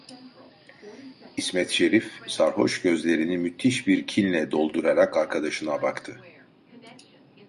İsmet Şerif sarhoş gözlerini müthiş bir kinle doldurarak arkadaşına baktı: